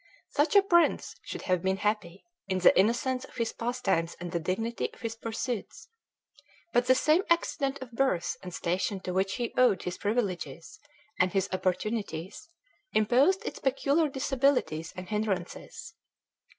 Such a prince should have been happy, in the innocence of his pastimes and the dignity of his pursuits. But the same accident of birth and station to which he owed his privileges and his opportunities imposed its peculiar disabilities and hindrances.